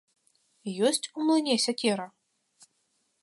Ёсць у млыне сякера?